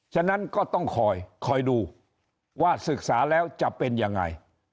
ฉะนั้นก็ต้องคอยดูว่าศึกษาแล้วจะเป็นยังไง